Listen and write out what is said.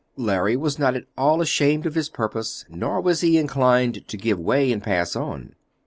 Larry was not at all ashamed of his purpose, nor was he inclined to give way and pass on.